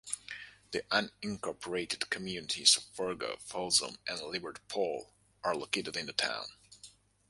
The unincorporated communities of Fargo, Folsom, and Liberty Pole are located in the town.